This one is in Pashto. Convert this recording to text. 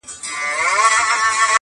شیخ یې خوله غوږ ته نیژدې کړه چي واکمنه٫